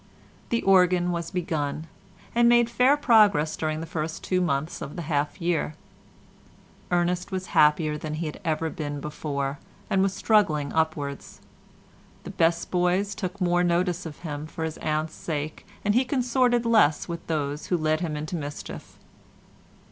The organ was begun, and made fair progress during the first two months of the half year. Ernest was happier than he had ever been before, and was struggling upwards. The best boys took more notice of him for his aunt's sake, and he consorted less with those who led him into mischief.